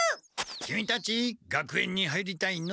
君たち学園に入りたいの？